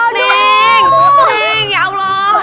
neng ya allah